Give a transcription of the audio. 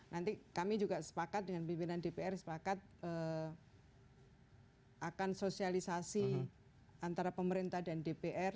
nanti kami juga sepakat dengan pimpinan dpr sepakat akan sosialisasi antara pemerintah dan dpr